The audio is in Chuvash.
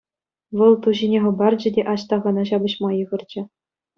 Вӑл ту ҫине хӑпарчӗ те Аҫтахана ҫапӑҫма йыхӑрчӗ.